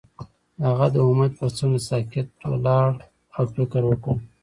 هغه د امید پر څنډه ساکت ولاړ او فکر وکړ.